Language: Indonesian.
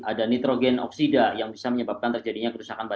ada nitrogen oksida yang bisa menyebabkan terjadinya kerusakan batu